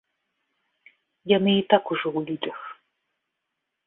Яны і так ужо ў людзях.